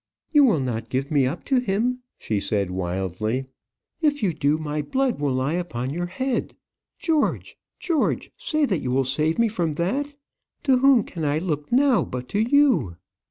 "You will not give me up to him!" she said, wildly. "If you do, my blood will lie upon your head. George! George! say that you will save me from that! To whom can I look now but to you?"